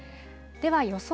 では予想